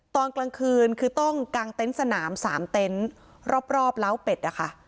ตอนกลางคืนคือต้องกางเต็นต์สนาม๓เต็นต์รอบล้าวเป็ดนะคะ